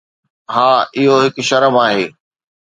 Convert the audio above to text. ها، اهو هڪ شرم آهي